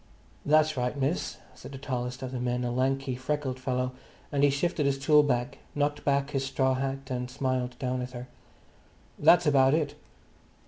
"That's right, miss," said the tallest of the men, a lanky, freckled fellow, and he shifted his tool bag, knocked back his straw hat and smiled down at her. "That's about it."